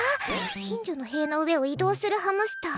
近所の塀の上を移動するハムスター。